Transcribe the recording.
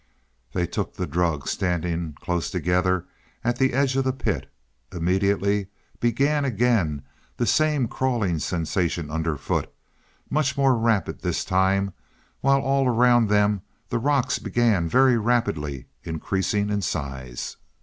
They took the drug, standing close together at the edge of the pit. Immediately began again the same crawling sensation underfoot, much more rapid this time, while all around them the rocks began very rapidly increasing in size.